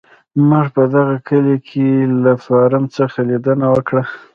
موږ په دغه کلي کې له فارم څخه لیدنه وکړه.